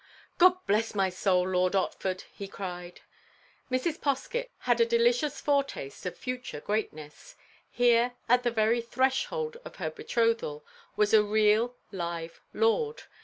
"Gobblessmysoul! Lord Otford!" he cried. Mrs. Poskett had a delicious foretaste of future greatness. Here, at the very threshold of her betrothal, was a real, live lord.